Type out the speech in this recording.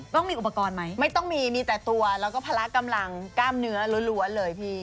ต้องมีอุปกรณ์ไหมไม่ต้องมีมีแต่ตัวแล้วก็พละกำลังกล้ามเนื้อล้วนเลยพี่